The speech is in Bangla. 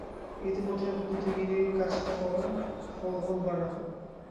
ইতিমধ্যে দূতীগিরির কাজটা করো, ফল হোক বা না হোক।